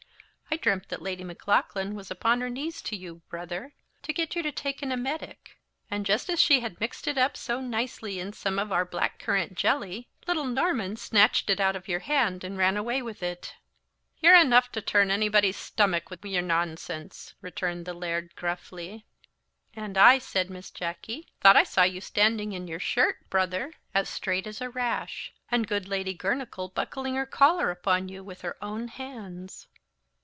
"I dreamt that Lady Maclaughlan was upon her knees to you, brother, to get you to take an emetic; and just as she had mixed it up so nicely in some of our black currant jelly, little Norman snatched it out of your hand and ran away with it." "You're eneugh to turn onybody's stamick wi'your nonsense," returned the Laird gruffly. "And I," said Miss Jacky, "thought I saw you standing in your shirt, brother, as straight as a rash, and good Lady Girnachgowl buckling her collar upon you with her own hands."